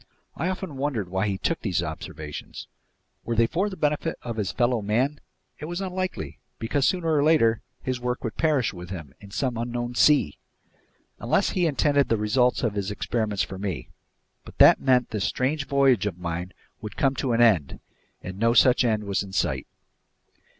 I often wondered why he took these observations. Were they for the benefit of his fellow man? It was unlikely, because sooner or later his work would perish with him in some unknown sea! Unless he intended the results of his experiments for me. But that meant this strange voyage of mine would come to an end, and no such end was in sight.